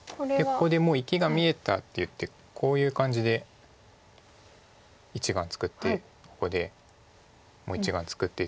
ここでもう生きが見えたっていってこういう感じで１眼作ってここでもう１眼作ってっていう。